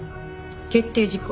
決定事項。